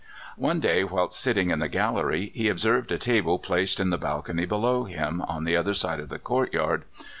One day, whilst sitting in the gallery, he observed a table placed in the balcony below him, on the other side of the courtyard.